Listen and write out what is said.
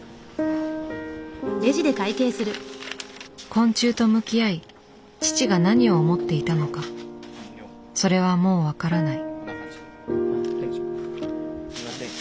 昆虫と向き合い父が何を思っていたのかそれはもう分からない。